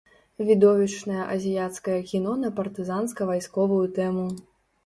Відовішчнае азіяцкае кіно на партызанска-вайсковую тэму.